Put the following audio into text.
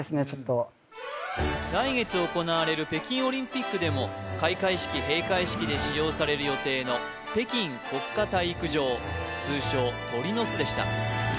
ちょっと来月行われる北京オリンピックでも開会式閉会式で使用される予定の北京国家体育場通称「鳥の巣」でした